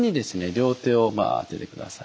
両手を当ててください。